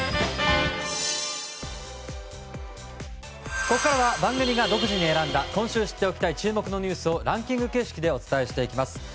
ここからは番組が独自に選んだ今週知っておきたい注目のニュースをランキング形式でお伝えします。